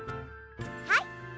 はい。